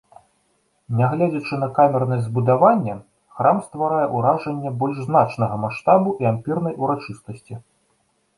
Нягледзячы на камернасць збудавання, храм стварае ўражанне больш значнага маштабу і ампірнай урачыстасці.